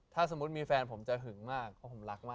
ถ้าสมมุติมีแฟนผมจะหึงมากเพราะผมรักมาก